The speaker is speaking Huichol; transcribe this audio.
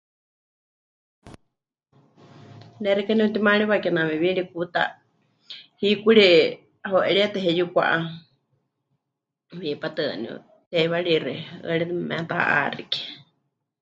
Ne xeikɨ́a nepɨtimaariwa kename Wirikuta hikuri heu'eríetɨ heyukwa'á, hipátɨ waníu teiwarixi 'ɨaritɨ meheta'axike.